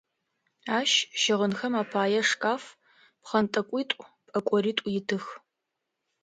Ащ щыгъынхэм апае шкаф, пкъэнтӏэкӏуитӏу, пӏэкӏоритӏу итых.